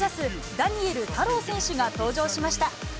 ダニエル太郎選手が登場しました。